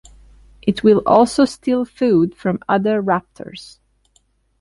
It will also steal food from other raptors.